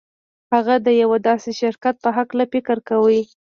هغه د يوه داسې شرکت په هکله فکر کاوه.